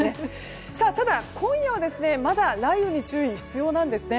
ただ、今夜はまだ雷雨に注意が必要なんです。